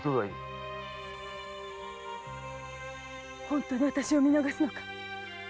本当に私を見逃すのか？